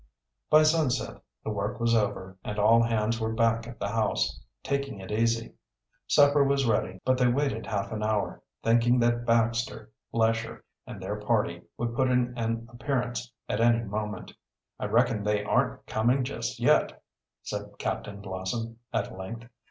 By sunset the work was over and all hands were back at the house, taking it easy. Supper was ready, but they waited hard an hour, thinking that Baxter, Lesher, and their party would put in an appearance at any moment. "I reckon they aren't coming just yet," said Captain Blossom, at length.